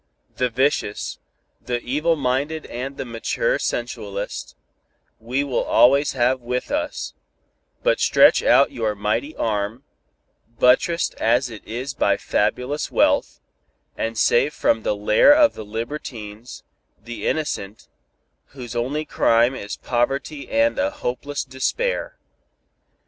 The vicious, the evil minded and the mature sensualist, we will always have with us, but stretch out your mighty arm, buttressed as it is by fabulous wealth, and save from the lair of the libertines, the innocent, whose only crime is poverty and a hopeless despair.